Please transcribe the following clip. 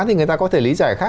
thì người ta có thể lý giải khác